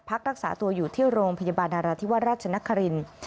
พักรักษาตัวอยู่ที่โรงพยาบาลไนรฐิวัตรราชนครินฯ